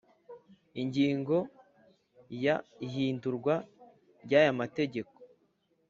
Ingingo ya ihindurwa ry aya mategeko